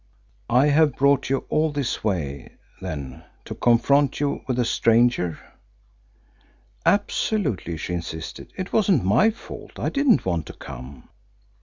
"I have brought you all this way, then, to confront you with a stranger?" "Absolutely," she insisted. "It wasn't my fault. I didn't want to come." Mr.